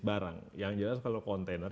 barang yang jelas kalau kontainer